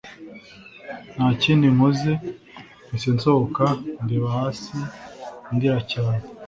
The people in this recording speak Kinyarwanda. Ntakindi nkoze mpise nsohoka ndeba hasi ndira cyane